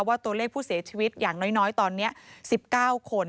ตัวเลขผู้เสียชีวิตอย่างน้อยตอนนี้๑๙คน